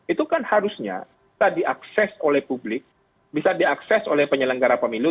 itu kan harusnya bisa diakses oleh publik bisa diakses oleh penyelenggara pemilu